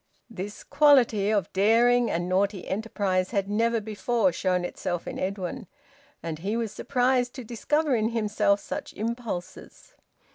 This quality of daring and naughty enterprise had never before shown itself in Edwin, and he was surprised to discover in himself such impulses.